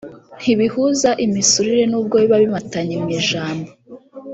ntibihuza imisusire n’ubwo biba bimatanye mu ijambo.